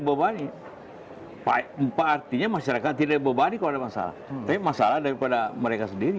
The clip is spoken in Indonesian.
berbani empat artinya masyarakat tidak berbani kalau ada masalah masalah daripada mereka sendiri